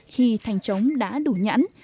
khi thành trống đã đủ nhẵn